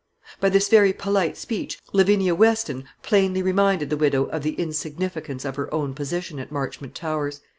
By this very polite speech Lavinia Weston plainly reminded the widow of the insignificance of her own position at Marchmont Towers.